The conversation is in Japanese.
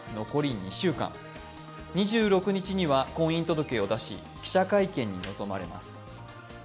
２６日には婚姻届を出し記者会見に臨まれます。